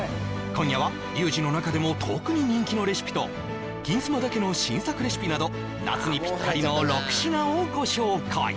今夜はリュウジの中でも特に人気のレシピと「金スマ」だけの新作レシピなど夏にピッタリの６品をご紹介